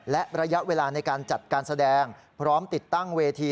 และระยะเวลาในการจัดการแสดงพร้อมติดตั้งเวที